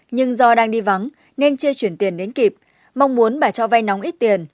nhưng do đang đi vắng nên chưa chuyển tiền đến kịp mong muốn bà cho vay nóng ít tiền